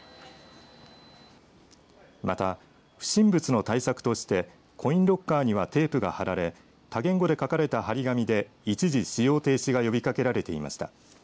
また、不審物の対策としてコインロッカーにはテープが貼られ多言語で書かれた貼り紙で一時使用停止が呼びかけられていました。